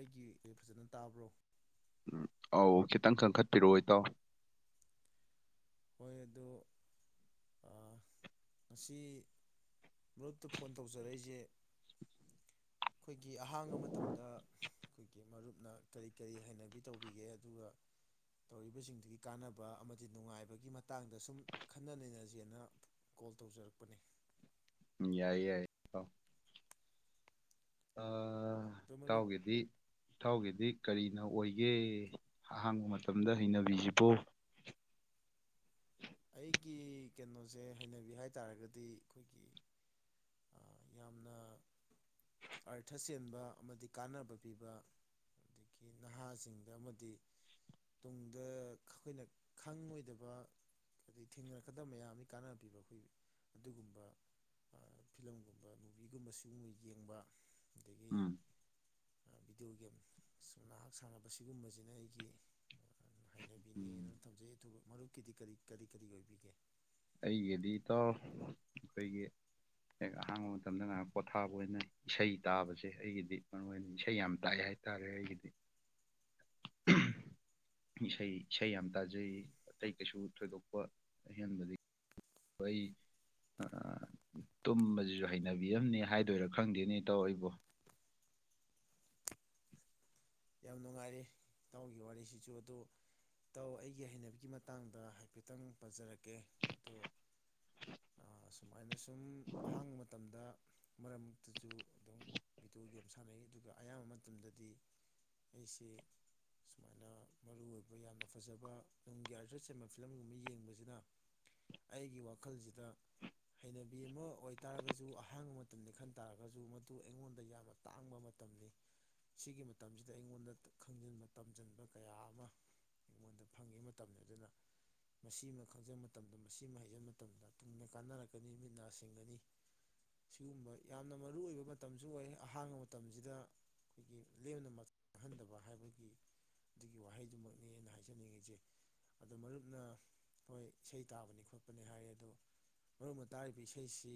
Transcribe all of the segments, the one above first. ꯑꯩꯒꯤ ꯐꯖꯅ ꯇꯥꯕ꯭ꯔꯣ ꯝ ꯑꯧ ꯈꯤꯇꯪ ꯀꯟꯈꯠꯄꯤꯔꯛꯑꯣ ꯏꯇꯥꯎ ꯍꯣꯏ ꯑꯗꯣ ꯉꯁꯤ ꯃꯔꯛꯇ ꯐꯣꯟ ꯇꯧꯖꯔꯛꯏꯁꯦ ꯑꯩꯈꯣꯏꯒꯤ ꯑꯍꯥꯡꯕ ꯃꯇꯝꯗ ꯑꯩꯈꯣꯏꯒꯤ ꯃꯔꯨꯞ ꯅ ꯀꯔꯤ ꯀꯔꯤ ꯍꯩꯅꯕꯤ ꯇꯧꯕꯤꯒꯦ ꯑꯗꯨꯒ ꯇꯧꯔꯤꯕꯁꯤꯡꯗꯨꯒꯤ ꯀꯥꯟꯅꯕ ꯑꯃꯗꯤ ꯅꯨꯡꯉꯥꯏꯕ ꯒꯤ ꯃꯇꯥꯡꯗ ꯁꯨꯝ ꯈꯟꯅ ꯅꯩꯅꯖꯦꯅ ꯀꯣꯜ ꯇꯧꯖꯔꯛꯄꯅꯤ ꯌꯥꯏ ꯌꯥꯏ ꯑ ꯑꯗꯣ ꯃꯔꯨꯞ ꯏꯇꯥꯎꯒꯤꯗꯤ ꯏꯊꯥꯎꯒꯤꯗꯤ ꯀꯔꯤꯅ ꯑꯣꯏꯒꯦ ꯑꯍꯥꯡꯕ ꯃꯇꯝꯗ ꯍꯩꯅꯕꯤꯁꯤꯕꯨ ꯑꯩꯒꯤ ꯀꯩꯅꯣꯁꯦ ꯍꯩꯅꯕꯤ ꯍꯥꯏ ꯇꯥꯔꯒꯗꯤ ꯑꯩꯈꯣꯏꯒꯤ ꯌꯥꯝꯅ ꯑꯥꯔꯊ ꯆꯦꯟꯕ ꯑꯃꯗꯤ ꯀꯥꯟꯅꯕ ꯄꯤꯕ ꯑꯗꯒꯤ ꯅꯍꯥꯁꯤꯡꯗ ꯑꯃꯗꯤ ꯇꯨꯡꯗ ꯑꯩꯈꯣꯏꯅ ꯈꯪꯉꯣꯏꯗꯕ ꯑꯗꯗꯒꯤ ꯊꯦꯡꯅꯔꯛꯀꯗꯕ ꯃꯌꯥꯝ ꯑꯃ ꯀꯥꯟꯅꯔ ꯄꯤꯕ ꯑꯩꯈꯣꯏ ꯑꯗꯨꯒꯨꯝꯕ ꯐꯤꯂꯝꯒꯨꯝꯕ ꯃꯨꯚꯤꯒꯨꯝꯕ ꯁꯤꯒꯨꯝꯕ ꯌꯦꯡꯕ ꯑꯗꯒꯤ ꯎꯝ ꯕꯤꯗꯤꯑꯣ ꯒꯦꯝ ꯉꯍꯥꯛ ꯁꯥꯟꯅꯕ ꯁꯤꯒꯨꯝꯕꯁꯤꯅ ꯑꯩꯒꯤ ꯎꯝ ꯍꯩꯅꯕꯤꯅꯦꯅ ꯊꯝꯖꯩ ꯃꯔꯨꯞꯀꯤꯗꯤ ꯀꯔꯤ ꯀꯔꯤ ꯀꯔꯤ ꯑꯣꯏꯕꯤꯒꯦ ꯑꯩꯒꯤꯗꯤ ꯏꯇꯥꯎ ꯑꯩꯈꯣꯏꯒꯤ ꯍꯦꯛ ꯑꯍꯥꯡꯕ ꯃꯇꯝꯗ ꯉꯥꯏꯍꯥꯛ ꯄꯣꯊꯥꯕ ꯑꯣꯏꯅ ꯏꯁꯩ ꯇꯥꯕꯁꯦ ꯑꯩꯒꯤꯗꯤ ꯃꯔꯨ ꯑꯣꯏꯅ ꯏꯁꯩ ꯌꯥꯝ ꯇꯥꯛꯑꯦ ꯍꯥꯏꯇꯥꯔꯦ ꯑꯩꯒꯤꯗꯤ ꯏꯁꯩ ꯏꯁꯩ ꯌꯥꯝ ꯇꯥꯖꯩ ꯑꯇꯩ ꯀꯩꯁꯨ ꯊꯣꯏꯗꯣꯛꯄ ꯑꯍꯦꯟꯕꯗꯒꯤ ꯑꯩ ꯇꯨꯝꯕꯁꯤꯁꯨ ꯍꯩꯅꯕꯤꯔꯝꯅꯦ ꯍꯥꯏꯗꯣꯏꯔꯥ ꯈꯪꯗꯦꯅꯦ ꯇꯧ ꯑꯩꯕꯨ ꯌꯥꯝ ꯅꯨꯡꯉꯥꯏꯔꯦ ꯏ ꯇꯥꯎꯒꯤ ꯋꯥꯔꯤꯁꯤꯁꯨ ꯑꯗꯨ ꯏꯇꯥꯎ ꯑꯩꯒꯤ ꯍꯩꯅꯕꯤꯒꯤ ꯃꯇꯥꯡꯗ ꯍꯥꯏꯐꯦꯠꯇꯪ ꯄꯖꯔꯛꯀꯦ ꯑꯣ ꯑꯗꯨꯃꯥꯏꯅ ꯁꯨꯝ ꯑꯍꯥꯡꯕ ꯃꯇꯝꯗ ꯃꯔꯛ ꯃꯛꯇꯖꯨ ꯑꯗꯨꯝ ꯚꯤꯗꯤꯑꯣ ꯒꯦꯝ ꯁꯥꯟꯅꯩ ꯑꯗꯨꯒ ꯑꯌꯥꯝꯕ ꯃꯇꯝꯗꯗꯤ ꯑꯩꯁꯤ ꯁꯨꯃꯥꯏꯅ ꯃꯔꯨ ꯑꯣꯏꯕ ꯌꯥꯝꯅ ꯐꯖꯕ ꯅꯨꯡꯒꯤ ꯑꯥꯔꯖ ꯆꯦꯝꯕ ꯐꯤꯂꯝꯒꯨꯝꯕ ꯌꯦꯡꯕꯖꯤꯅ ꯑꯩꯒꯤ ꯋꯥꯈꯜꯖꯤꯗ ꯍꯩꯅꯕꯤ ꯑꯃ ꯑꯣꯏ ꯇꯥꯔꯒꯖꯨ ꯑꯍꯥꯡꯕ ꯃꯇꯝꯅꯤ ꯈꯟ ꯇꯥꯔꯒꯖꯨ ꯃꯗꯨ ꯑꯩꯉꯣꯟꯗ ꯌꯥꯝꯅ ꯇꯥꯡꯕ ꯃꯇꯝꯅꯤ ꯁꯤꯒꯤ ꯃꯇꯝꯖꯤ ꯗ ꯑꯩꯉꯣꯟꯗ ꯈꯪꯖꯤꯟꯕ ꯇꯝꯖꯟꯕ ꯀꯌꯥ ꯑꯃ ꯑꯩꯉꯣꯟꯗ ꯐꯪꯉꯤ ꯃꯇꯝꯅꯤ ꯑꯗꯨꯅ ꯃꯁꯤꯃ ꯈꯪꯖꯟ ꯃꯇꯝꯗ ꯃꯁꯤꯃ ꯍꯩꯖꯤꯟ ꯃꯇꯝꯗ ꯇꯨꯡꯗ ꯀꯥꯟꯅꯔꯛꯀꯅꯤ ꯃꯤꯠ ꯅꯥ ꯁꯤꯡꯒꯅꯤ ꯁꯤꯒꯨꯝꯕ ꯌꯥꯝꯅ ꯃꯔꯨ ꯑꯣꯏꯕ ꯃꯇꯝꯖꯨ ꯑꯣꯏ ꯑꯍꯥꯡꯕ ꯃꯇꯝꯖꯤꯗ ꯑꯩꯈꯣꯏꯒꯤ ꯂꯦꯝꯅ ꯈꯟꯗꯕ ꯍꯥꯏꯕꯒꯤ ꯑꯗꯨꯒꯤ ꯋꯥꯍꯩꯗꯨꯃꯛꯅꯤ ꯑꯩꯅ ꯍꯥꯏꯖꯅꯤꯡꯉꯤꯖꯤ ꯑꯗꯣ ꯃꯔꯨꯞꯅ ꯍꯣꯏ ꯏꯁꯩ ꯇꯥꯕꯅꯤ ꯈꯣꯠꯄꯅꯤ ꯍꯥꯏ ꯑꯗꯣ ꯃꯔꯨꯞꯅ ꯇꯥꯔꯤꯕ ꯏꯁꯩꯁꯤ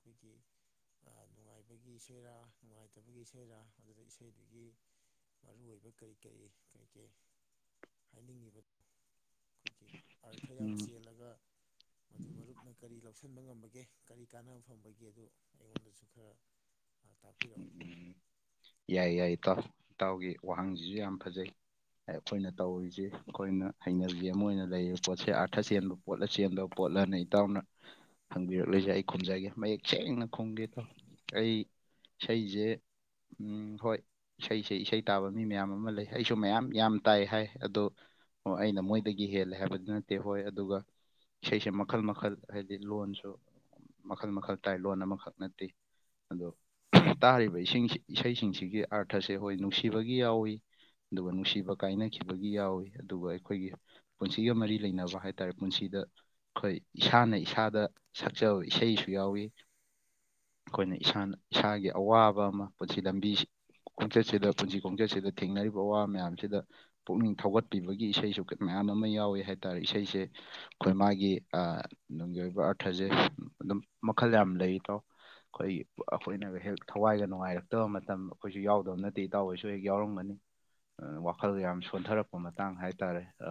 ꯈꯣꯏꯒꯤ ꯑꯥ ꯅꯨꯡꯉꯥꯏꯕꯒꯤ ꯏꯁꯩꯔꯥ ꯅꯨꯡꯉꯥꯏꯇꯕꯒꯤ ꯏꯁꯩꯔꯥ ꯑꯗꯨꯗ ꯏꯁꯩꯗꯨꯒꯤ ꯃꯔꯨ ꯑꯣꯏꯕ ꯀꯩꯀꯩ ꯀꯩꯀꯩ ꯍꯥꯏꯅꯤꯡꯉꯤꯕ ꯈꯣꯏꯒꯤ ꯑꯥꯔꯊ ꯌꯥꯝ ꯎꯝ ꯆꯦꯜꯂꯒ ꯃꯗꯨ ꯃꯔꯨꯞꯅ ꯀꯔꯤ ꯂꯧꯁꯟꯕ ꯉꯝꯕꯒꯦ ꯀꯔꯤ ꯀꯥꯟꯅꯕ ꯐꯪꯕꯒꯦꯗꯨ ꯑꯩꯉꯣꯟꯗꯁꯨ ꯈꯔ ꯇꯥꯛꯄꯤꯔꯛꯎ ꯌꯥꯏ ꯌꯥꯏ ꯏꯇꯥꯎ ꯏꯇꯥꯎꯒꯤ ꯋꯥꯍꯪꯖꯤꯖꯨ ꯌꯥꯝ ꯐꯖꯩ ꯑꯈꯣꯏꯅ ꯇꯧꯔꯤꯖꯤ ꯑꯈꯣꯏꯅ ꯍꯩꯅꯕꯤ ꯑꯃ ꯑꯣꯏꯅ ꯂꯩꯔꯤꯕ ꯄꯣꯠꯁꯦ ꯑꯥꯔꯊ ꯆꯦꯟꯕ ꯄꯣꯠꯂ ꯆꯦꯟꯗꯕ ꯄꯣꯠꯂꯅ ꯏꯇꯥꯎꯅ ꯍꯪꯕꯤꯔꯛꯂꯤꯖꯤ ꯑꯩ ꯈꯨꯝꯖꯒꯦ ꯃꯌꯦꯛ ꯁꯦꯡꯅ ꯈꯨꯝꯒꯦ ꯏꯇꯥꯎ ꯑꯩ ꯏꯁꯩꯖꯦ ꯎꯝ ꯍꯣꯏ ꯏꯁꯩꯁꯦ ꯏꯁꯩ ꯇꯥꯕ ꯃꯤ ꯃꯌꯥꯝ ꯑꯃ ꯂꯩ ꯑꯩꯁꯨ ꯃꯌꯥꯝ ꯌꯥꯝ ꯇꯥꯏ ꯍꯥꯏ ꯑꯗꯣ ꯑꯩꯅ ꯃꯣꯏꯗꯒꯤ ꯍꯦꯜꯂꯦ ꯍꯥꯏꯕꯗꯤ ꯅꯠꯇꯦ ꯍꯣꯏ ꯑꯗꯨꯒ ꯏꯁꯩꯁꯦ ꯃꯈꯜ ꯃꯈꯜ ꯍꯥꯏꯗꯤ ꯂꯣꯟꯁꯨ ꯃꯈꯜ ꯃꯈꯜ ꯇꯥꯏ ꯂꯣꯟ ꯑꯃꯈꯛ ꯅꯠꯇꯦ ꯑꯗꯣ ꯇꯥꯔꯤꯕ ꯏꯁꯤꯡꯁꯤ ꯏꯁꯩꯁꯤꯡꯁꯤꯒꯤ ꯑꯥꯔꯊꯁꯦ ꯍꯣꯏ ꯅꯨꯡꯁꯤꯕꯒꯤ ꯌꯥꯎꯏ ꯑꯗꯨꯒ ꯅꯨꯡꯁꯤꯕ ꯀꯥꯏꯅꯈꯤꯕꯒꯤ ꯌꯥꯎꯏ ꯑꯗꯨꯒ ꯑꯩꯈꯣꯏꯒꯤ ꯄꯨꯟꯁꯤꯒ ꯃꯔꯤ ꯂꯩꯅꯕ ꯍꯥꯏꯇꯥꯔꯦ ꯄꯨꯟꯁꯤꯗ ꯑꯈꯣꯏ ꯏꯁꯥꯅ ꯏꯁꯥꯗ ꯁꯛꯆꯕ ꯏꯁꯩꯁꯨ ꯌꯥꯎꯏ ꯑꯈꯣꯏꯅ ꯏꯁꯥꯅ ꯏꯁꯥꯒꯤ ꯑꯋꯥꯕ ꯑꯃ ꯄꯨꯟꯁꯤ ꯂꯝꯕꯤ ꯈꯣꯡꯆꯠꯁꯤꯗ ꯄꯨꯟꯁꯤ ꯈꯣꯡꯆꯠꯁꯤꯗ ꯊꯦꯡꯅꯔꯤꯕ ꯑꯋꯥ ꯃꯌꯥꯝꯁꯤꯗ ꯄꯨꯛꯅꯤꯡ ꯊꯧꯒꯠꯄꯤꯕꯒꯤ ꯏꯁꯩꯁꯨ ꯃꯌꯥꯝ ꯑꯃ ꯌꯥꯎꯋꯤ ꯍꯥꯏꯇꯥꯔꯦ ꯏꯁꯩꯁꯦ ꯑꯈꯣꯏ ꯃꯥꯒꯤ ꯑꯥ ꯅꯨꯡꯒꯤ ꯑꯣꯏꯕ ꯑꯥꯔꯊꯖꯦ ꯑꯗꯨꯝ ꯃꯈꯜ ꯌꯥꯝ ꯂꯩ ꯏꯇꯥꯎ ꯈꯣꯏ ꯑꯈꯣꯏꯅꯒ ꯍꯦꯛ ꯊꯋꯥꯏꯒ ꯅꯨꯡꯉꯥꯏꯔ ꯇꯕ ꯃꯇꯝ ꯑꯈꯣꯏꯖꯨ ꯌꯥꯎꯗꯕ ꯅꯠꯇꯦ ꯏꯇꯥꯎ ꯍꯣꯏꯁꯨ ꯍꯦꯛ ꯌꯥꯎꯔꯝꯒꯅꯤ ꯑ ꯋꯥꯈꯜ ꯌꯥꯝ ꯁꯣꯟꯊꯔꯛꯄ ꯃꯇꯥꯡ ꯍꯥꯏꯇꯥꯔꯦ ꯑ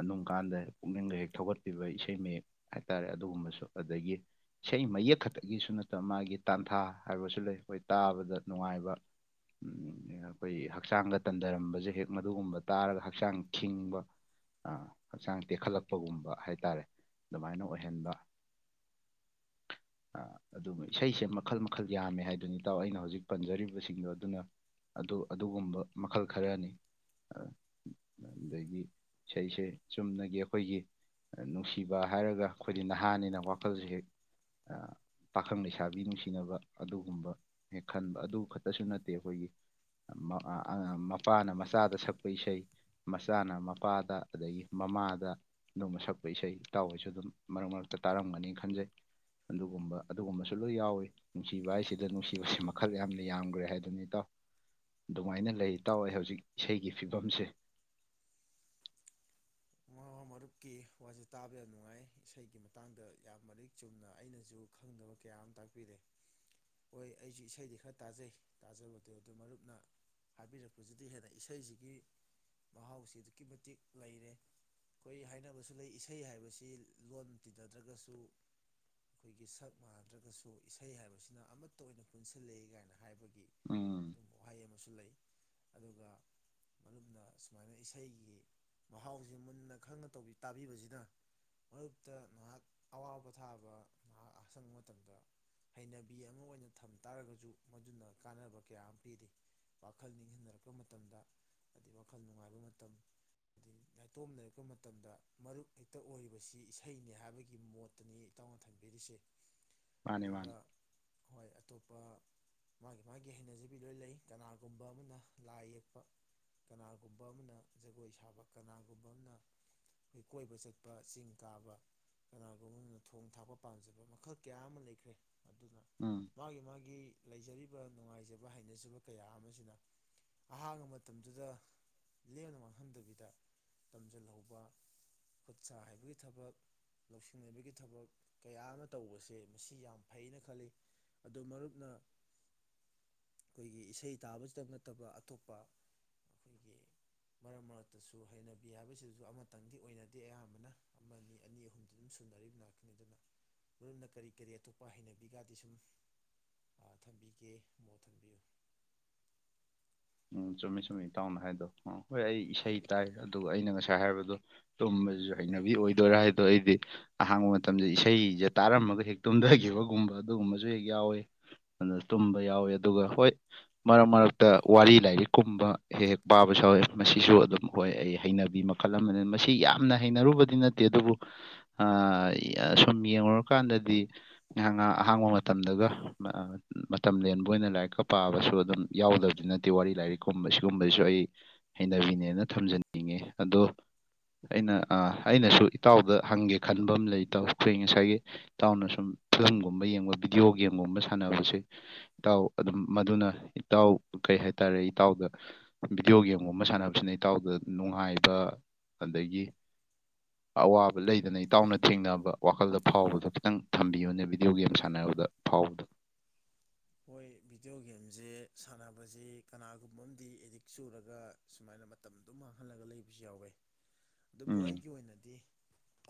ꯑꯗꯨꯝ ꯀꯥꯟꯗ ꯄꯨꯛꯅꯤꯡꯒ ꯍꯦꯛ ꯊꯧꯒꯠꯄꯤꯕ ꯏꯁꯩ ꯃꯌꯦꯛ ꯍꯥꯏꯇꯥꯔꯦ ꯑꯗꯨꯒꯨꯝꯕꯁꯨ ꯑꯗꯒꯤ ꯏꯁꯩ ꯃꯌꯦꯛ ꯈꯇꯪꯒꯤꯁꯨ ꯅꯠꯇꯕ ꯃꯥꯒꯤ ꯇꯥꯟꯊꯥ ꯍꯥꯏꯕꯁꯨ ꯂꯩ ꯈꯣꯏ ꯇꯥꯕꯗ ꯅꯨꯡꯉꯥꯏꯕ ꯑꯈꯣꯏ ꯍꯛꯆꯥꯡꯒ ꯇꯟꯗꯔꯝꯕꯖꯦ ꯍꯦꯛ ꯃꯗꯨꯒꯨꯝꯕ ꯇꯥꯔꯒ ꯍꯛꯆꯥꯡ ꯈꯤꯡꯕ ꯑꯥ ꯍꯛꯆꯥꯡ ꯇꯦꯛꯈꯠꯂꯛꯄꯒꯨꯝꯕ ꯍꯥꯏꯇꯥꯔꯦ ꯑꯗꯨꯃꯥꯏꯅ ꯑꯣꯏꯍꯟꯕ ꯑꯥ ꯑꯗꯨꯒ ꯏꯁꯩꯁꯦ ꯃꯈꯜ ꯃꯈꯜ ꯌꯥꯝꯃꯦ ꯍꯥꯏꯗꯨꯅꯤ ꯏꯇꯥꯎ ꯑꯩꯅ ꯍꯧꯖꯤꯛ ꯄꯟꯖꯔꯤꯕꯁꯤꯡꯗꯣ ꯑꯗꯨꯅ ꯑꯗꯨ ꯑꯗꯨꯒꯨꯝꯕ ꯃꯈꯜ ꯈꯔꯅꯤ ꯑꯗꯒꯤ ꯏꯁꯩꯁꯦ ꯆꯨꯝꯅꯒꯤ ꯑꯈꯣꯏꯒꯤ ꯅꯨꯡꯁꯤꯕ ꯍꯥꯏꯔꯒ ꯈꯣꯏꯗꯤ ꯅꯍꯥꯅꯤꯅ ꯋꯥꯈꯜꯖꯦ ꯍꯦꯛ ꯄꯥꯈꯪ ꯂꯩꯁꯥꯕꯤ ꯅꯨꯡꯁꯤꯅꯕ ꯑꯗꯨꯒꯨꯝꯕ ꯍꯦꯛ ꯈꯟꯕ ꯑꯗꯨ ꯈꯇꯁꯨ ꯅꯠꯇꯦ ꯑꯈꯣꯏꯒꯤ [unintelligible] ꯃꯄꯥꯅ ꯃꯆꯥꯗ ꯁꯛꯄ ꯏꯁꯩ ꯃꯆꯥꯅ ꯃꯄꯥꯗ ꯑꯗꯒꯤ ꯃꯃꯥꯗ ꯑꯗꯨꯝꯕ ꯁꯛꯄ ꯏꯁꯩ ꯏꯇꯥꯎꯍꯣꯏꯁꯨ ꯑꯗꯨꯝ ꯃꯔꯛ ꯃꯔꯛꯇ ꯇꯥꯔꯝꯒꯅꯤ ꯈꯟꯖꯩ ꯑꯗꯨꯒꯨꯝꯕ ꯑꯗꯨꯒꯨꯝꯕꯁꯨ ꯂꯣꯏ ꯌꯥꯎꯋꯤ ꯅꯨꯡꯁꯤꯕ ꯍꯥꯏꯁꯤꯗ ꯅꯨꯡꯁꯤꯕꯁꯤꯃꯛ ꯈꯜ ꯌꯥꯝꯅ ꯌꯥꯝꯒꯔ꯭ꯦ ꯍꯥꯏꯗꯨꯅꯤ ꯏꯇꯥꯎ ꯗꯨꯃꯥꯏꯅ ꯂꯩ ꯏꯇꯥꯎ ꯑꯩ ꯍꯧꯖꯤꯛ ꯏꯁꯩꯒꯤ ꯐꯤꯕꯝꯁꯦ ꯃꯃꯥ ꯃꯔꯨꯞꯀꯤ ꯋꯥꯁꯦ ꯇꯥꯕ ꯌꯥꯝ ꯅꯨꯡꯉꯥꯏ ꯏꯁꯩꯒꯤ ꯃꯇꯥꯡꯗ ꯌꯥꯝ ꯃꯔꯤꯛ ꯆꯨꯝꯅ ꯑꯩꯅꯁꯨ ꯈꯪꯗꯕ ꯀꯌꯥ ꯑꯃ ꯇꯥꯛꯄꯤꯔꯦ ꯍꯣꯏ ꯑꯩꯁꯨ ꯏꯁꯩꯗꯤ ꯈꯔ ꯇꯥꯖꯩ ꯇꯥꯖꯕꯗꯣ ꯑꯗꯨ ꯃꯔꯨꯞꯅ ꯍꯥꯏꯕꯤꯔꯛꯄꯖꯤꯗꯩꯩ ꯍꯦꯟꯅ ꯏꯁꯩꯁꯤꯒꯤ ꯃꯍꯥꯎꯁꯤ ꯑꯗꯨꯛꯀꯤ ꯃꯇꯤꯛ ꯂꯩꯔꯦ ꯈꯣꯏ ꯍꯥꯏꯅꯕꯁꯨ ꯂꯩ ꯏꯁꯩ ꯍꯥꯏꯕꯁꯤ ꯂꯣꯟ ꯇꯤꯟꯅꯗ꯭ꯔꯒꯁꯨ ꯑꯈꯣꯏꯒꯤ ꯁꯛ ꯃꯥꯟꯅꯗ꯭ꯔꯒꯁꯨ ꯏꯁꯩ ꯍꯥꯏꯕꯁꯤꯅ ꯑꯃꯠꯇ ꯑꯣꯏꯅ ꯄꯨꯟꯁꯤꯜꯂꯤ ꯀꯥꯏꯅ ꯍꯥꯏꯕꯒꯤ ꯎꯝ ꯑꯦꯃꯁꯨ ꯂꯩ ꯑꯗꯨꯒ ꯃꯔꯨꯞꯅ ꯁꯨꯃꯥꯏꯅ ꯏꯁꯩꯒꯤ ꯃꯍꯥꯎꯁꯤ ꯖꯤ ꯃꯨꯟꯅ ꯈꯪꯅ ꯇꯧꯕꯤ ꯇꯥꯕꯤꯕꯖꯤꯅ ꯃꯔꯨꯞꯇ ꯉꯍꯥꯛ ꯑꯋꯥꯕꯄꯣꯊꯥꯕ ꯉꯥꯍꯥꯛ ꯑꯁꯪꯕ ꯃꯇꯝꯗ ꯍꯩꯅꯕꯤ ꯑꯃ ꯑꯣꯏꯅ ꯊꯝ ꯇꯥꯔꯒꯖꯨ ꯃꯗꯨꯅ ꯀꯥꯟꯅꯕ ꯀꯌꯥ ꯑꯃ ꯄꯤꯔꯤ ꯋꯥꯈꯜ ꯅꯤꯡꯍꯟꯅꯔꯛꯄ ꯃꯇꯝꯗ ꯑꯗꯩ ꯋꯥꯈꯜ ꯅꯨꯡꯉꯥꯏꯕ ꯃꯇꯝ ꯑꯩ [unintelligible] ꯃꯇꯝꯗ ꯃꯔꯨꯞ ꯍꯦꯛꯇ ꯑꯣꯏꯔꯤꯕꯁꯤ ꯏꯁꯩꯅꯦ ꯍꯥꯏꯕꯒꯤ ꯃꯣꯠꯇꯅꯤ ꯏꯇꯥꯎꯅ ꯊꯝꯕꯤꯔꯤꯁꯦ ꯃꯥꯅꯤ ꯑꯗꯨꯒ ꯃꯥꯅꯤ ꯍꯣꯏ ꯑꯇꯣꯞ ꯄ ꯃꯥꯒꯤ ꯃꯥꯒꯤ ꯍꯩꯅꯖꯕꯤ ꯂꯣꯏ ꯂꯩ ꯀꯅꯥꯒꯨꯝꯕ ꯑꯃꯅ ꯂꯥꯏ ꯌꯦꯛꯄ ꯀꯅꯥꯒꯨꯝꯕ ꯑꯃꯅ ꯖꯒꯣꯏ ꯁꯥꯕ ꯀꯅꯥ [unintelligible] ꯀꯣꯏꯕ ꯆꯠꯄ ꯆꯤꯡ ꯀꯥꯕ ꯀꯅꯥꯒꯨꯝꯕ ꯑꯃꯅ ꯊꯣꯡ ꯊꯥꯛꯄ ꯄꯥꯝꯖꯕ ꯃꯈꯜ ꯀꯌꯥ ꯑꯃ ꯂꯩꯈ꯭ꯔꯦ ꯑꯗꯨꯅ ꯎꯝ ꯃꯥꯒꯤ ꯃꯥꯒꯤ ꯂꯩꯖꯔꯤꯕ ꯅꯨꯡꯉꯥꯏꯖꯕ ꯍꯩꯅꯖꯕ ꯀꯌꯥ ꯑꯃꯁꯤꯅ ꯑꯍꯥꯡꯕ ꯃꯇꯝꯗꯨꯗ ꯂꯦꯝꯅ ꯃꯥꯡꯍꯟꯗꯕꯤꯗ ꯇꯝꯁꯤꯜꯍꯧꯕ ꯈꯨꯠ ꯁꯥ ꯍꯩꯕꯒꯤ ꯊꯕꯛ ꯂꯧꯁꯤꯡ ꯍꯩꯕꯒꯤ ꯊꯕꯛ ꯀꯌꯥ ꯑꯃ ꯇꯧꯕꯁꯦ ꯃꯁꯤ ꯌꯥꯝ ꯐꯩꯅ ꯈꯜꯂꯤ ꯑꯗꯨ ꯃꯔꯨꯞꯅ ꯑꯈꯣꯏꯒꯤ ꯏꯁꯩ ꯇꯥꯕꯁꯤꯇ ꯅꯠꯇꯕ ꯑꯇꯣꯞꯄ ꯑꯈꯣꯏꯒꯤ ꯃꯔꯛ ꯃꯔꯛꯇꯁꯨ ꯍꯩꯅꯕꯤ ꯍꯥꯏꯕꯁꯤꯗꯁꯨ ꯑꯃꯇꯪꯗꯤ ꯑꯣꯏꯅꯗꯦ ꯑꯌꯥꯝꯕꯅ ꯑꯃ ꯑꯅꯤ ꯑꯍꯨꯝꯗꯨꯝ ꯁꯨꯅꯔꯤꯕ ꯑꯗꯨꯅ ꯂꯝꯅ ꯀꯔꯤ ꯀꯔꯤ ꯑꯇꯣꯞꯄ ꯍꯩꯅꯕꯤꯒꯗꯤ ꯁꯨꯝ ꯊꯝꯕꯤꯒꯦ ꯃꯣꯠ ꯊꯝꯕꯤꯌꯨ ꯎꯝ ꯆꯨꯝꯃꯤ ꯆꯨꯝꯃꯤ ꯏꯇꯥꯎꯅ ꯍꯥꯏꯗꯣ ꯍꯣꯏ ꯑꯩ ꯏꯁꯩ ꯇꯥꯏ ꯑꯗꯨꯒ ꯑꯩꯅ ꯉꯁꯥꯏ ꯍꯥꯏꯕꯗꯣ ꯇꯨꯝꯕꯖꯤꯖꯨ ꯍꯩꯅꯕꯤ ꯑꯣꯏꯗꯣꯏꯔꯥ ꯍꯥꯏꯗꯣ ꯑꯩꯗꯤ ꯑꯍꯥꯡꯕ ꯃꯇꯝꯖꯦ ꯏꯁꯩꯖꯦ ꯇꯥꯔꯝꯃꯒ ꯍꯦꯛ ꯇꯨꯝꯗꯒꯤꯕꯒꯨꯝꯕ ꯑꯗꯨꯒꯨꯝꯕꯖꯨ ꯍꯦꯛ ꯌꯥꯎꯋꯤ ꯑꯗꯨꯅ ꯇꯨꯝꯕ ꯌꯥꯎꯋꯤ ꯑꯗꯨꯒ ꯍꯣꯏ ꯃꯔꯛ ꯃꯔꯛꯇ ꯋꯥꯔꯤ ꯂꯥꯏꯔꯤꯛꯀꯨꯝꯕ ꯍꯦ ꯍꯦꯛ ꯄꯥꯕꯁꯨ ꯌꯥꯎꯋꯦ ꯃꯁꯤꯁꯨ ꯑꯗꯨꯝ ꯍꯣꯏ ꯑꯩ ꯍꯩꯅꯕꯤ ꯃꯈꯜ ꯑꯃꯅꯤ ꯃꯁꯤ ꯌꯥꯝꯅ ꯍꯩꯅꯔꯨꯕꯗꯤ ꯅꯠꯇꯦ ꯑꯗꯨꯕꯨ ꯑꯥ ꯁꯨꯝ ꯌꯦꯡꯉꯨꯔꯀꯥꯟꯗꯗꯤ ꯉꯩꯍꯥꯛ ꯉꯍꯥꯛ ꯑꯍꯥꯡꯕ ꯃꯇꯝꯗꯒ ꯃꯇꯝ ꯂꯦꯟꯕ ꯑꯣꯏꯅ ꯂꯥꯏꯔꯤꯛꯀ ꯄꯥꯕꯁꯨ ꯑꯗꯨꯝ ꯌꯥꯎꯗꯕꯗꯤ ꯅꯠ ꯗꯤ ꯋꯥꯔꯤ ꯂꯥꯏꯔꯤꯛ ꯀꯨꯝꯕ ꯁꯤꯒꯨꯝꯕꯁꯤꯁꯨ ꯑꯩ ꯍꯩꯅꯕꯤꯅꯦꯅ ꯊꯝꯖꯟꯅꯤꯡꯉꯦ ꯑꯗꯣ ꯑꯩꯅ ꯑꯥ ꯑꯩꯅꯁꯨ ꯏꯇꯥꯎꯗ ꯍꯪꯒꯦ ꯈꯟꯕ ꯑꯝ ꯂꯩ ꯏꯇꯥꯎ ꯈꯣꯏ ꯉꯁꯥꯏꯒꯤ ꯏꯇꯥꯎꯅ ꯁꯨꯝ ꯐꯤꯂꯝꯒꯨꯝꯕ ꯌꯦꯡꯕ ꯕꯤꯗꯤꯑꯣ ꯒꯦꯝꯒꯨꯝꯕ ꯁꯥꯟꯅꯕꯁꯦ ꯏꯇꯥꯎ ꯑꯗꯨꯝ ꯃꯗꯨꯅ ꯏꯇꯥꯎ ꯀꯩ ꯍꯥꯏ ꯇꯥꯔꯦ ꯏꯇꯥꯎꯗ ꯚꯤꯗꯤꯑꯣ ꯒꯦꯝꯒꯨꯝꯕ ꯁꯥꯟꯅꯕꯁꯤꯅ ꯏꯇꯥꯎꯗ ꯅꯨꯡꯉꯥꯏꯕ ꯑꯗꯒꯤ ꯑꯋꯥꯕ ꯂꯩꯗꯅ ꯏꯇꯥꯎꯅ ꯊꯦꯡꯅꯕ ꯋꯥꯈꯜꯗ ꯐꯥꯎꯕꯗꯣ ꯈꯤꯇꯪ ꯊꯝꯕꯤꯌꯨꯅꯦ ꯚꯤꯗꯤꯑꯣ ꯒꯦꯝ ꯁꯥꯟꯅꯕꯗ ꯐꯥꯎꯕꯗ ꯍꯣꯏ ꯚꯤꯗꯤꯑꯣ ꯒꯦꯝꯖꯦ ꯁꯥꯟꯅꯕꯖꯤ ꯀꯅꯥꯒꯨꯝꯕ ꯑꯝꯗꯤ ꯑꯦꯗꯤꯛ ꯆꯨꯔꯒ ꯁꯨꯃꯥꯏꯅ ꯃꯇꯝ ꯑꯗꯨꯝ ꯃꯥꯡꯍꯜꯂꯒ ꯂꯩꯕꯁꯨ ꯌꯥꯎꯋꯦ ꯑꯗꯨꯕꯨ ꯎꯝ ꯑꯩꯒꯤ ꯑꯣꯏꯅꯗꯤ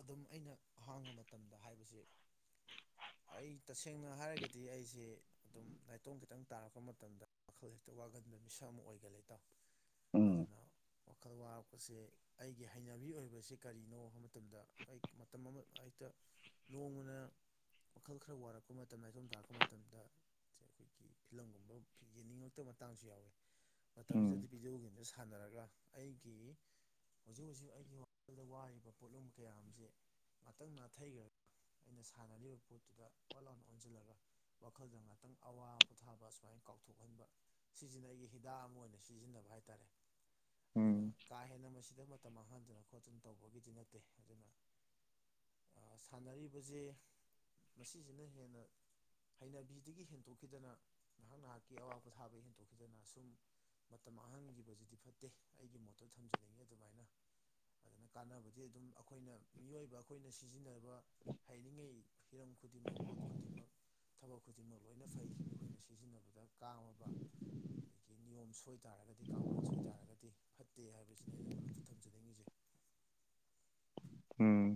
ꯑꯗꯨꯝ ꯑꯩꯅ ꯑꯍꯥꯡꯕ ꯃꯇꯝꯗ ꯍꯥꯏꯕꯁꯦ ꯑꯩ ꯇꯁꯦꯡꯅ ꯍꯥꯏꯔꯒꯗꯤ ꯑꯩꯁꯦ ꯑꯗꯨꯝ ꯅꯥꯏꯇꯣꯝ ꯈꯤꯇꯪ ꯇꯥꯔꯛꯄ ꯃꯇꯝꯗ ꯋꯥꯈꯜ ꯍꯦꯛꯇ ꯋꯥꯒꯟꯕ ꯃꯤꯁꯛ ꯑꯃ ꯑꯣꯏꯒꯜꯂꯤ ꯏꯇꯥꯎ ꯎꯝ ꯑꯗꯨꯅ ꯋꯥꯈꯜ ꯋꯥꯕꯁꯤ ꯑꯩꯒꯤ ꯍꯩꯅꯕꯤ ꯑꯣꯏꯕꯁꯤ ꯀꯔꯤꯅꯣ ꯃꯇꯝꯗ ꯑꯩ ꯃꯇꯝ ꯑꯃ ꯍꯦꯛꯇ ꯅꯣꯡꯃꯅ ꯋꯥꯈꯜ ꯈꯔ ꯋꯥꯔꯛꯄ ꯃꯇꯝ ꯅꯥꯏꯇꯣꯝ ꯇꯥꯔꯛꯄ ꯃꯇꯝꯗ ꯑꯈꯣꯏꯒꯤ ꯐꯤꯂꯝꯒꯨꯝꯕ ꯌꯦꯡꯅꯤꯡꯉꯛꯇ ꯃꯇꯥꯡꯁꯨ ꯌꯥꯎꯋꯤ ꯎꯝ ꯃꯇꯝꯖꯤꯗꯗꯤ ꯚꯗꯤꯑꯣ ꯒꯦꯝꯁꯤ ꯁꯥꯟꯅꯔ ꯒꯔ꯭ ꯑꯩꯒꯤ ꯍꯧꯖꯤꯛ ꯍꯧꯖꯤꯛ ꯑꯩꯒꯤ ꯋꯥꯈꯜꯗ ꯋꯥꯔꯤꯕ ꯄꯣꯠꯂꯨꯝ ꯀꯌꯥ ꯑꯃꯖꯤ ꯉꯥꯇꯪ ꯅꯥꯊꯩꯒꯔꯥ ꯑꯩꯅ ꯁꯥꯟꯅꯔꯤꯕ ꯄꯣꯠꯇꯨꯗ ꯐꯠ ꯂꯥꯎꯅ ꯑꯣꯟꯖꯜꯂꯒꯥ ꯋꯥꯈꯜꯗ ꯇꯪ ꯑꯋꯥ ꯄꯣꯊꯥꯕ ꯁꯨꯃꯥꯏꯅ ꯀꯥꯎꯊꯣꯛꯍꯟꯕ ꯁꯤꯖꯤꯅ ꯑꯩꯒꯤ ꯍꯤꯗꯥꯛ ꯑꯃ ꯑꯣꯏꯅ ꯁꯤꯖꯤꯟꯅꯕ ꯍꯥꯏꯇꯥꯔꯦ ꯑꯗꯨꯅ ꯎꯝ ꯀꯥ ꯍꯦꯟꯅ ꯃꯁꯤꯗ ꯃꯠ ꯃꯇꯝ ꯃꯥꯡꯍꯟꯗꯅ ꯈꯣꯠꯇꯅ ꯇꯧꯕꯒꯤꯗꯤ ꯅꯠꯇꯦ ꯑꯗꯨꯅ ꯁꯥꯟꯅꯔꯤꯕꯁꯦ ꯃꯁꯤꯁꯤꯅ ꯍꯦꯟꯅ ꯍꯩꯅꯕꯤ ꯑꯗꯒꯤ ꯍꯦꯟꯗꯣꯛꯈꯤꯗꯅ ꯅꯍꯥꯛ ꯅꯍꯥꯛꯀꯤ ꯑꯋꯥꯕ ꯊꯥꯕꯩ ꯍꯦꯟꯇꯣꯛ ꯑꯗꯨꯅ ꯁꯨꯝ ꯃꯇꯝ ꯑꯍꯥꯡꯈꯤꯕꯖꯤꯗꯤ ꯐꯠꯇꯦ ꯑꯩꯒꯤ ꯃꯣꯠꯇꯣ ꯊꯝꯖꯅꯤꯡꯉꯤ ꯑꯗꯨꯃꯥꯏꯅ ꯑꯗꯨꯅ ꯀꯥꯟꯅꯕꯗꯤ ꯑꯗꯨꯝ ꯑꯩꯈꯣꯏꯅ ꯃꯤꯑꯣꯏꯕ ꯑꯩꯈꯣꯏꯅ ꯁꯤꯖꯤꯟꯅꯕ ꯍꯥꯏꯔꯤꯉꯩ ꯍꯤꯔꯝ ꯈꯨꯗꯤꯡꯃꯛ ꯄꯣꯠ ꯈꯨꯗꯤꯡꯃꯛ ꯊꯕꯛ ꯈꯨꯗꯤꯡꯃꯛ ꯂꯣꯏꯅ ꯐꯩ ꯑꯩꯈꯣꯏꯅ ꯁꯤꯖꯤꯟꯅꯕꯗ ꯀꯥꯉꯕ ꯑꯗꯒꯤ ꯅꯤꯌꯣꯝ ꯁꯣꯏ ꯇꯥꯔꯒꯗꯤ ꯀꯥꯡꯂꯣꯟ ꯁꯣꯏ ꯇꯥꯔꯒꯗꯤ ꯐꯠꯇꯦ ꯍꯥꯏꯕꯁꯤꯅ ꯑꯩꯅ ꯃꯔꯛꯇ ꯊꯝꯖꯅꯤꯡꯉꯤꯁꯦ ꯎꯝ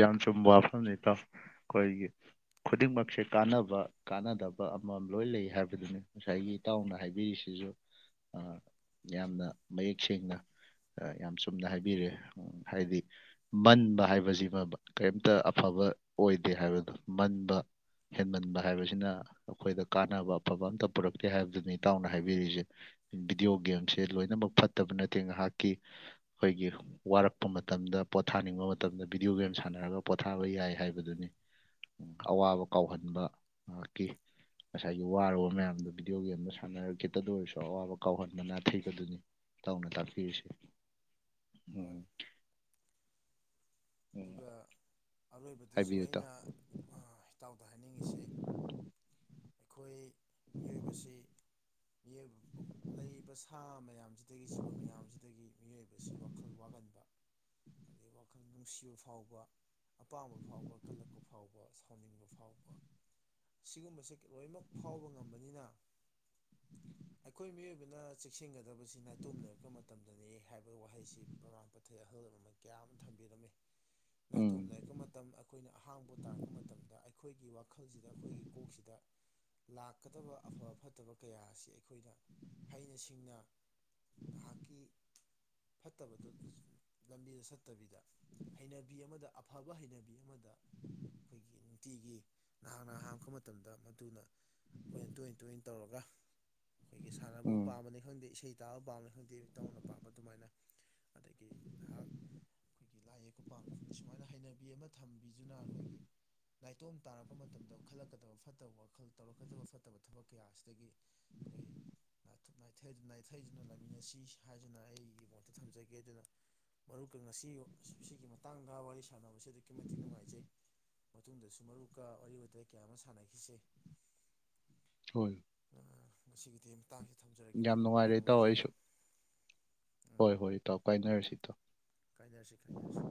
ꯌꯥꯝ ꯆꯨꯝꯕ ꯋꯥꯐꯝꯅꯤ ꯏꯇꯥꯎ ꯑꯩꯈꯣꯏꯒꯤ ꯈꯨꯗꯤꯡꯃꯛꯁꯦ ꯀꯥꯟꯅꯕ ꯀꯥꯟꯅꯗꯕ ꯑꯃꯃꯝ ꯂꯣꯏ ꯂꯩ ꯍꯥꯏꯕꯗꯨꯅꯤ ꯉꯁꯥꯏꯒꯤ ꯏꯇꯥꯎꯅ ꯍꯥꯏꯕꯤꯔꯤꯁꯤꯁꯨ ꯌꯥꯝꯅ ꯃꯌꯦꯛ ꯁꯦꯡꯅ ꯌꯥꯝ ꯆꯨꯝꯅ ꯍꯥꯏꯕꯤꯔꯑꯦ ꯍꯥꯏꯗꯤ ꯃꯟꯕ ꯍꯥꯏꯕꯁꯤꯃ ꯀꯔꯤꯝꯇ ꯑꯐꯕ ꯑꯣꯏꯗꯦ ꯍꯥꯏꯕꯗꯣ ꯃꯟꯕ ꯍꯦꯟꯃꯟꯕ ꯍꯥꯏꯕꯁꯤꯅ ꯑꯩꯈꯣꯏꯗ ꯀꯥꯟꯅꯕ ꯑꯐꯕ ꯑꯝꯇ ꯄꯨꯔꯛꯇꯦ ꯍꯥꯏꯕꯗꯨꯅꯤ ꯏꯇꯥꯎꯅ ꯍꯥꯏꯕꯤꯔꯤꯁꯦ ꯕꯤꯗꯤꯑꯣ ꯒꯦꯝꯁꯦ ꯂꯣꯏꯅꯃꯛ ꯐꯠꯇꯕ ꯅꯠꯇꯦ ꯉꯥꯏꯍꯥꯛꯀꯤ ꯑꯩꯈꯣꯏꯒꯤ ꯋꯥꯔꯛꯄ ꯃꯇꯝꯗ ꯄꯣꯊꯥꯅꯤꯡꯕ ꯃꯇꯝꯗ ꯚꯤꯗꯤꯑꯣ ꯒꯦꯝ ꯁꯥꯟꯅꯔꯒ ꯄꯣꯊꯥꯕ ꯌꯥꯏ ꯍꯥꯏꯕꯗꯨꯅꯤ ꯑꯋꯥꯕ ꯀꯥꯎꯍꯟꯕ ꯉꯀꯤ ꯉꯁꯥꯏꯒꯤ ꯋꯥꯔꯨꯕ ꯃꯌꯥꯝꯗꯣ ꯚꯤꯗꯤꯑꯣ ꯒꯦꯝꯗꯣ ꯁꯥꯟꯅꯔ ꯈꯤꯇꯗ ꯑꯣꯏꯔꯁꯨ ꯑꯋꯥꯕ ꯀꯥꯎꯍꯟꯕ ꯅꯥꯊꯩꯕꯗꯨꯅꯤ ꯏꯇꯧꯎꯅ ꯇꯥꯛꯄꯤꯔꯤꯁꯤ ꯎꯝ ꯃꯥꯅꯤ ꯎꯝ ꯑꯗꯨꯒ ꯑꯔꯣꯏꯕꯗꯨꯁꯨ ꯍꯥꯏꯕꯤꯌꯨ ꯏꯇꯥꯎ ꯑꯩꯅ ꯏꯇꯥꯎ ꯗ ꯍꯥꯏꯅꯤꯡꯉꯤꯁꯦ ꯑꯩꯈꯣꯏ ꯃꯤꯑꯣꯏꯕꯁꯤ ꯃꯤꯑꯣ ꯂꯩꯔꯤꯕ ꯁꯥ ꯃꯌꯥꯝꯁꯤꯗꯒꯤ ꯖꯤꯕ ꯃꯌꯥꯝꯁꯤꯗꯒꯤ ꯃꯤꯑꯣꯏꯕꯁꯤ ꯋꯥꯈꯜ ꯋꯥꯒꯟꯕ ꯑꯗꯨ ꯋꯥꯈꯜꯗ ꯅꯨꯡꯁꯤꯕ ꯐꯥꯎꯕ ꯑꯄꯥꯝꯕ ꯐꯥꯎꯕ ꯀꯜꯂꯛꯄ ꯐꯥꯎꯕ ꯁꯥꯎꯅꯤꯡꯕ ꯐꯥꯎꯕ ꯁꯤꯒꯨꯝꯕꯁꯦ ꯂꯣꯏꯅꯃꯛ ꯐꯥꯎꯕ ꯉꯝꯕꯅꯤꯅ ꯑꯩꯈꯣꯏ ꯃꯤꯑꯣꯏꯕꯅ ꯆꯦꯛꯁꯤꯟꯒꯗꯕꯁꯤ ꯅꯥꯏꯇꯣꯝꯅꯔꯛꯄ ꯃꯇꯝꯗꯅꯦ ꯍꯥꯏꯕ ꯋꯥꯍꯩꯁꯤ ꯄ꯭ꯔꯃꯥꯟ ꯄꯥꯊꯩ ꯑꯍꯜ ꯂꯃꯟ ꯀꯌꯥ ꯑꯃ ꯊꯝꯕꯤꯔꯝꯃꯤ ꯎꯝ ꯅꯥꯏꯇꯣꯝ ꯂꯩꯔꯛꯄ ꯃꯇꯝ ꯑꯩꯈꯣꯏꯅ ꯑꯍꯥꯡꯕ ꯇꯥꯔꯛꯄ ꯃꯇꯝꯗ ꯑꯩꯈꯣꯏꯒꯤ ꯋꯥꯈꯜꯁꯤꯗ ꯑꯩꯈꯣꯏꯒꯤ ꯀꯣꯛꯁꯤꯗ ꯂꯥꯛꯀꯗꯕ ꯑꯐꯕ ꯐꯠꯇꯕ ꯀꯌꯥ ꯑꯁꯤ ꯑꯩꯈꯣꯏꯅ ꯍꯩꯅ ꯁꯤꯡꯅ ꯉꯍꯥꯛꯀꯤ ꯐꯠꯇꯕꯗꯨ ꯂꯝꯕꯤꯗ ꯆꯠꯇꯕꯤꯗ ꯍꯩꯅꯕꯤ ꯑꯃꯗ ꯑꯐꯕ ꯍꯩꯅꯕꯤ ꯑꯃꯗ ꯑꯩꯈꯣꯏꯒꯤ ꯅꯨꯡꯇꯤꯒꯤ ꯅꯍꯥꯛ ꯍꯥꯡꯉꯛꯄ ꯃꯇꯝꯗ ꯃꯗꯨꯅ ꯑꯩꯈꯣꯏꯅ ꯇꯣꯏ ꯇꯣꯏ ꯇꯧꯔꯒ ꯑꯩꯈꯣꯏꯒꯤ ꯁꯥꯟꯅꯕꯕꯨ ꯎꯝ ꯄꯥꯝꯕꯅꯤ ꯈꯪꯗꯦ ꯏꯁꯩ ꯇꯥꯕ ꯄꯥꯝꯃꯦ ꯈꯪꯗꯦ ꯇꯧꯅ ꯄꯥꯝꯕ ꯑꯗꯨꯃꯥꯏꯅ ꯑꯗꯒꯤ ꯉꯥꯏꯍꯥꯛ ꯑꯩꯈꯣꯏꯒꯤ ꯂꯥꯏꯌꯦꯛ ꯑꯩ ꯄꯥꯝꯃꯤꯗ ꯁꯨꯃꯥꯏꯅ ꯍꯩꯅꯕꯤ ꯑꯃ ꯊꯝꯕꯤꯗꯨꯅ ꯑꯩꯈꯣꯏꯒꯤ ꯅꯥꯏꯇꯣꯝ ꯇꯥꯔꯛꯄ ꯃꯇꯝꯗ ꯈꯜꯂꯛꯀꯗꯕ ꯐꯠꯇꯕ ꯋꯥꯈꯜ ꯇꯧꯔꯛꯀꯗꯕ ꯐꯠꯇꯕ ꯊꯕꯛ ꯀꯌꯥ ꯑꯁꯤꯗꯒꯤ ꯑꯩꯈꯣꯏꯊ ꯅꯥꯏꯊꯩꯗꯨꯅ ꯂꯩꯃꯤꯟꯅꯁꯤ ꯍꯥꯏꯗꯨꯅ ꯑꯩꯒꯤ ꯃꯣꯠꯇ ꯊꯝꯖꯒꯦ ꯑꯗꯨꯅ ꯃꯔꯨꯞꯀ ꯉꯁꯤ ꯁꯤꯒꯤ ꯃꯇꯥꯡꯗ ꯋꯥꯔꯤ ꯁꯥꯟꯅꯕꯁꯦ ꯑꯗꯨꯛꯀꯤ ꯃꯇꯤꯛ ꯅꯨꯡꯉꯥꯏꯖꯩ ꯃꯇꯨꯡꯗꯁꯨ ꯃꯔꯨꯞꯀ ꯋꯥꯔꯤ ꯋꯥꯇꯥꯏ ꯀꯌꯥ ꯑꯃ ꯁꯥꯟꯅꯈꯤꯁꯦ ꯍꯣꯏ ꯉꯒꯤꯗꯤ ꯌꯥꯝ ꯅꯨꯡꯉꯥꯏꯔꯦ ꯏ ꯇꯥꯎ ꯑꯩꯁꯨ ꯍꯣꯏ ꯍꯣꯏ ꯏꯇꯥꯎ ꯀꯥꯏꯅꯔꯁꯤ ꯏ ꯇꯥꯎ ꯀꯥꯏꯗꯁꯤ ꯀꯥꯏꯗꯁꯤ